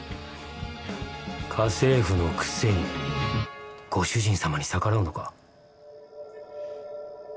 家政婦のくせにご主人様に逆らうのか？